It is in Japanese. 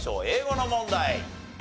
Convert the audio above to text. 英語の問題。